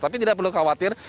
tapi tidak perlu khawatir